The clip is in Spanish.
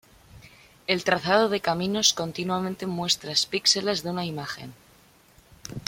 El trazado de caminos continuamente muestras píxeles de una imagen.